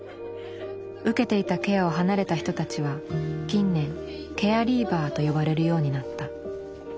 受けていたケアを離れた人たちは近年「ケアリーバー」と呼ばれるようになった。